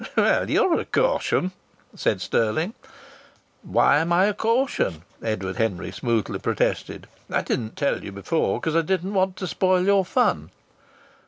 "Well, you're a caution!" said Stirling. "Why am I a caution?" Edward Henry smoothly protested. "I didn't tell you before because I didn't want to spoil your fun."